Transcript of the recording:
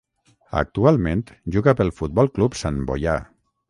Actualment juga pel Futbol Club Santboià.